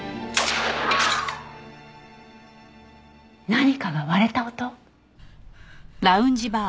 何かが割れた音？